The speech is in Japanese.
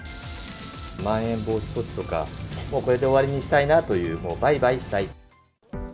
まん延防止措置とか、もうこれで終わりにしたいなという、バイバイしたい。